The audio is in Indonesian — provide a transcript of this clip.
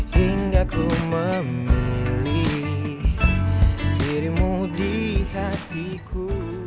hingga ku memilih dirimu di hatiku